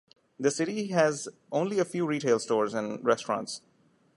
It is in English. The city has only a few retail stores and restaurants.